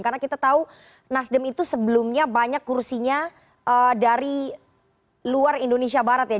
karena kita tahu nasdem itu sebelumnya banyak kursinya dari luar indonesia barat ya